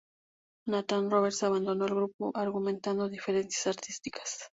Nathan Roberts abandonó el grupo argumentando diferencias artísticas.